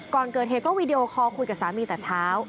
ก่อนเกิดเหตุก็วีดีโอคอลคุยกับสามีแต่เช้า